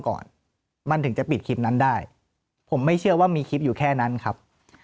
ก่อนมันถึงจะปิดคลิปนั้นได้ผมไม่เชื่อว่ามีคลิปอยู่แค่นั้นครับ